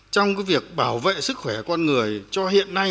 trong việc bảo vệ sức khỏe con người cho hiện nay